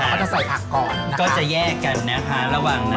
เขาจะใส่ผักก่อนก็จะแยกกันนะคะระหว่างนั้น